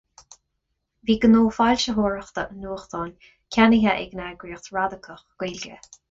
Bhí gnó foilsitheoireachta an nuachtáin ceannaithe ag an eagraíocht radacach Gaeilge.